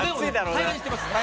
平らにしてます。